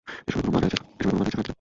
এসবের কোনো মানে আছে, ফার্দিন্যান্দ?